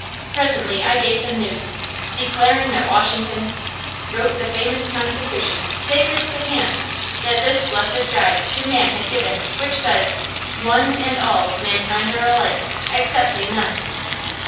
Presently I gave them news, declaring that Washington Wrote the famous Constitution; sacred's the hand That this blessed guide to man had given, which says, "One And all of mankind are alike, excepting none."